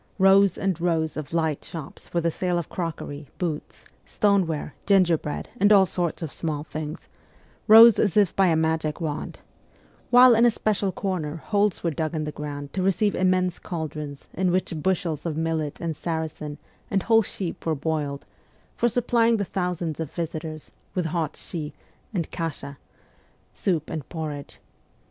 Rows and rows of light shops for the sale of crockery, boots, stoneware, ginger bread, and all sorts of small things, rose as if by a magic wand ; while in a special corner holes were dug in the ground to receive immense cauldrons in which bushels of millet and sarrasin and whole sheep were boiled, for supplying the thousands of visitors with hot schi and kasha (soup and porridge).